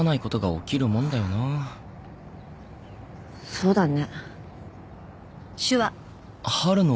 そうだね。